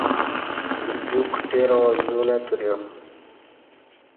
دیوکٹیراں زو نہ توریا